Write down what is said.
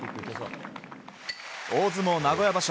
大相撲、名古屋場所。